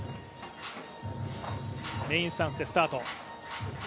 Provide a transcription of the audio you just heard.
メインスタンスでスタート。